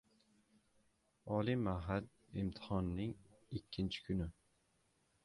Oliy Ma’had: imtihonning ikkinchi kuni